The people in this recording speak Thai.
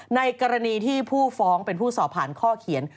ในกรณีที่ผู้ฟ้องเป็นผู้สอบผ่านข้อเขียน